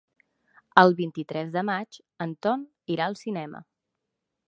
El vint-i-tres de maig en Ton irà al cinema.